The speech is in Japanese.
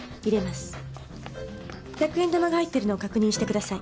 １００円玉が入っているのを確認してください。